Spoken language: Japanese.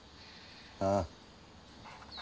ああ。